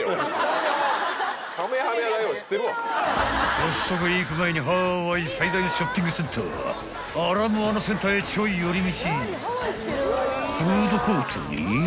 ［コストコへ行く前にハワイ最大のショッピングセンターアラモアナセンターへちょい寄り道］